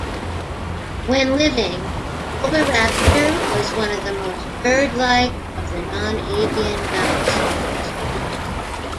When living, "Oviraptor" was one of the most bird-like of the non-avian dinosaurs.